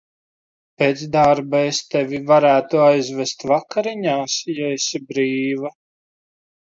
Pēc darba es tevi varētu aizvest vakariņās, ja esi brīva.